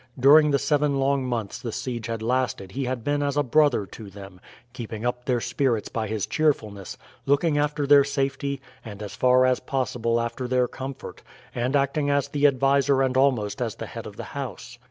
During the seven long months the siege had lasted he had been as a brother to them keeping up their spirits by his cheerfulness, looking after their safety, and as far as possible after their comfort, and acting as the adviser and almost as the head of the house.